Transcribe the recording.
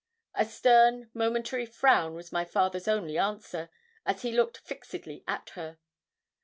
A stern, momentary frown was my father's only answer, as he looked fixedly at her.